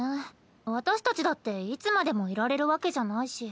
私たちだっていつまでもいられるわけじゃないし。